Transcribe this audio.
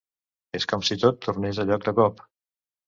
És com si tot tornés a lloc de cop.